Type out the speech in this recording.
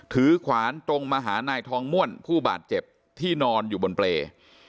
ขวานตรงมาหานายทองม่วนผู้บาดเจ็บที่นอนอยู่บนเปรย์